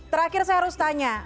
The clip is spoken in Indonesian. terakhir saya harus tanya